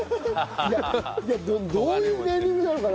いやどういうネーミングなのかな。